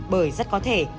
bởi rất có thể